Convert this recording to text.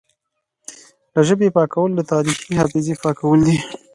له ژبې یې پاکول د تاریخي حافظې پاکول دي